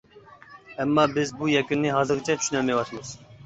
ئەمما بىز بۇ يەكۈننى ھازىرغىچە چۈشىنەلمەيۋاتىمىز.